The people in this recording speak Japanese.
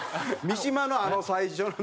三島のあの最初の。